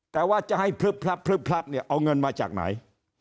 แต่ว่าจะให้พลึบพลับพลึบพลับเนี่ยเอาเงินมาจากไหน